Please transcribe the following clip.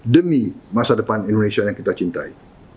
demi masa depan indonesia yang kita cintai